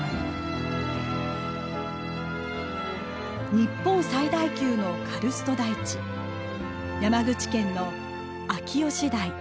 日本最大級のカルスト台地山口県の秋吉台。